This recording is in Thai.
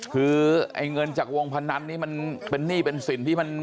คือเงินจากวงพนันนี่เป็นหนี้เป็นสิ่งที่